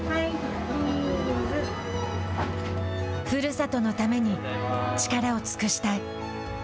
ふるさとのために力を尽くしたい。